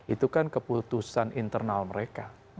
itu kan keputusan internal mereka